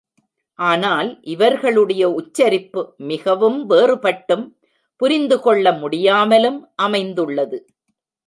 ஆனால் இவர்களுடைய உச்சரிப்பு மிகவும் வேறுபட்டும், புரிந்துகொள்ள முடியாமலும் அமைந்துள்ளது.